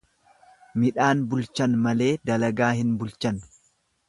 Midhaan bulchan malee dalagaa hin bulchan.